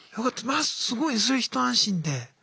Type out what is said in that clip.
まあすごいねそれ一安心で。